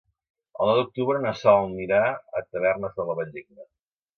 El nou d'octubre na Sol anirà a Tavernes de la Valldigna.